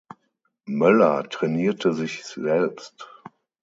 Möller trainierte sich selbst.